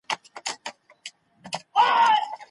مخامخ پرده خوب ځنډوي.